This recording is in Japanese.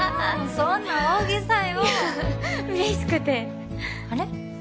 そんな大げさよ嬉しくてあれ？